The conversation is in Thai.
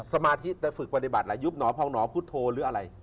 สมาธิแต่ฝึกปฏิบัติล่ะยุบหนอพองหนอพุทธโธหรืออะไร